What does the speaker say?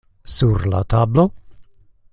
Sur la tablo?